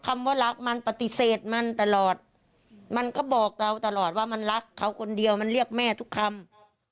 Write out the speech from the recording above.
มันตลอดมันก็บอกเราตลอดว่ามันรักเขาคนเดียวมันเรียกแม่ทุกคำ